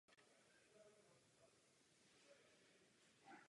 Je třeba zdůraznit, že tento proces je dobrovolný.